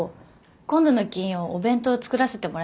今度の金曜お弁当作らせてもらえませんか？